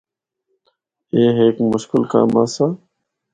اے ہک مشکل کم آسا۔